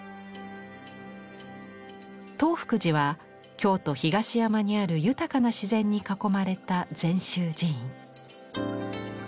東福寺は京都・東山にある豊かな自然に囲まれた禅宗寺院。